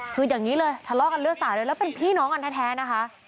คืออย่างนี้เลยทะเลาะกันเลือดสาดเลยแล้วเป็นพี่น้องกันแท้นะคะ